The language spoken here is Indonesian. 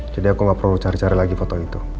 jadi aku gak perlu cari cari lagi foto itu